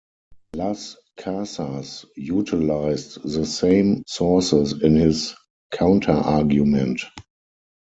Las Casas utilized the same sources in his counterargument.